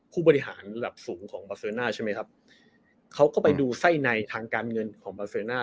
ผู้บริหารระดับสูงของบาเซอร์น่าใช่ไหมครับเขาก็ไปดูไส้ในทางการเงินของบาเซอร์น่า